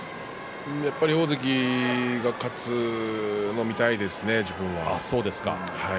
やっぱり大関が勝つのを見たいですね、自分は。